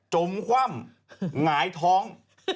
มคว่ำหงายท้อง